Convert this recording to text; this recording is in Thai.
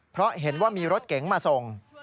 เพราะเห็นว่ามีรถเก๋งมาส่ง